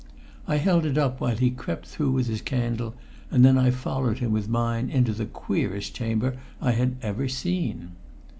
I held it up while he crept through with his candle, and then I followed him with mine into the queerest chamber I had ever seen.